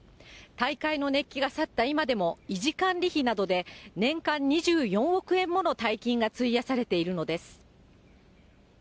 大会の熱気が去った今でも、維持管理費などで、年間２４億円もの大金が費やされているのです。